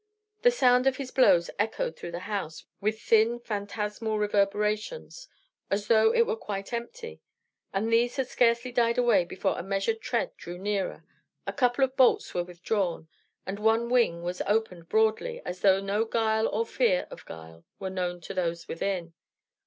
The sound of his blows echoed through the house with thin, phantasmal reverberations, as though it were quite empty; but these had scarcely died away before a measured tread drew near, a couple of bolts were withdrawn, and one wing was opened broadly, as though no guile or fear of guile were known to those within.